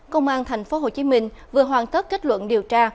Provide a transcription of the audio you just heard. công an tp hcm vừa hoàn tất kết luận điều tra